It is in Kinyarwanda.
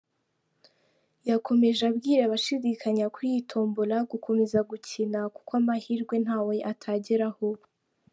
Yakomeje abwira abashidikanya kuri iyi tombola gukomeza gukina, kuko amahirwe nta we atageraho.